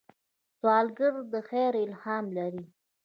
سوالګر د خیر الهام لري